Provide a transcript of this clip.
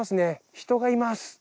人がいます。